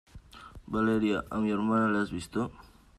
¡ Valeria! ¿ a mi hermana la has visto?